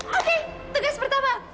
oke tugas pertama